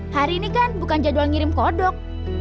hari ini kan bukan jadwal ngirim kodok